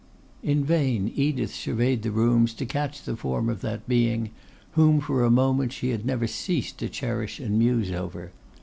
In vain Edith surveyed the rooms to catch the form of that being, whom for a moment she had never ceased to cherish and muse over.